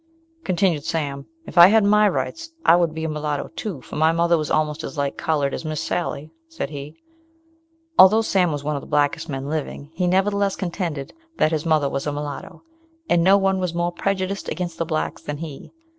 Continued Sam, "If I had my rights I would be a mulatto too, for my mother was almost as light coloured as Miss Sally," said he. Although Sam was one of the blackest men living, he nevertheless contended that his mother was a mulatto, and no one was more prejudiced against the blacks than he.